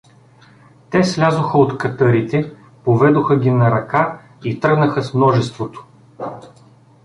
Те слязоха от катърите, поведоха ги на ръка и тръгнаха с множеството.